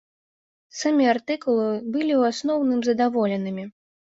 Самі артыкулы былі ў асноўным задаволенымі.